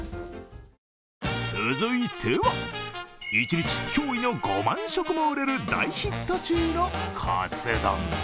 続いては、１日、驚異の５万食も売れる大ヒット中のカツ丼。